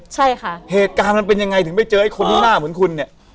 ใช่ค่ะเหตุการณ์มันเป็นยังไงถึงไปเจอไอ้คนที่หน้าเหมือนคุณเนี่ย